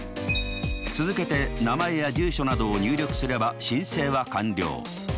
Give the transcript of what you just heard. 続けて名前や住所などを入力すれば申請は完了。